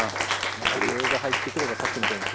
また魚影が入ってくればさっきみたいに釣れるんで。